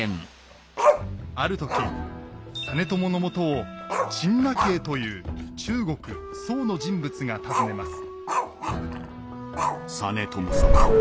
ある時実朝のもとを陳和という中国宋の人物が訪ねます。